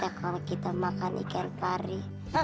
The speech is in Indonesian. enak banget kalau kita makan ikan pari